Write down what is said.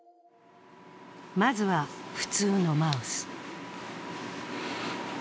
まずは普通のマウス。